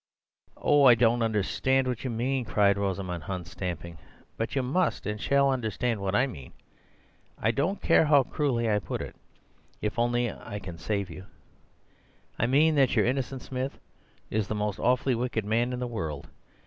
"Oh, I don't understand what you mean," cried Rosamund Hunt, stamping, "but you must and shall understand what I mean. I don't care how cruelly I put it, if only I can save you. I mean that your Innocent Smith is the most awfully wicked man in the world.